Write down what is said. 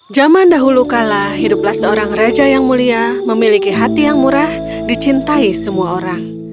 zaman dahulu kala hiduplah seorang raja yang mulia memiliki hati yang murah dicintai semua orang